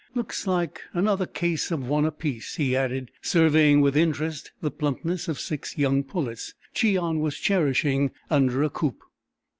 Looks like another case of one apiece," he added, surveying with interest the plumpness of six young pullets Cheon was cherishing under a coop.